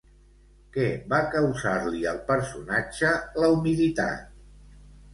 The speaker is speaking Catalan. Què va causar-li al personatge la humiditat?